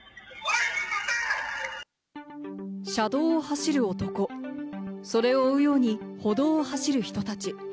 車道を走る男、それを追うように歩道を走る人たち。